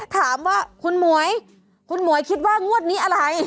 ถามว่าคุณหมวยคุณหมวยคิดว่างวดนี้อะไร